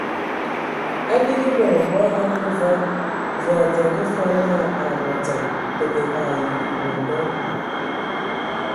A ligi e mod mbɔg a ngaligi va, və a vaŋa fɔɔ naa a abɔ dzam, təgə ai ewonda.